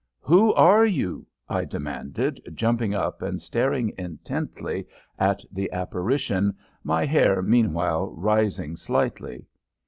"Who are you?" I demanded, jumping up and staring intently at the apparition, my hair meanwhile rising slightly.